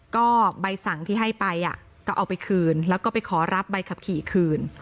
ก็ใบสั่งที่ให้ไปก็เอาไปคืนแล้วก็ไปขอรับใบขับขี่คืน